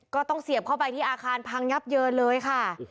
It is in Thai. ต้องเสียบเข้าไปที่อาคารพังยับเยินเลยค่ะ